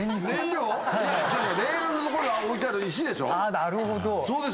あなるほど。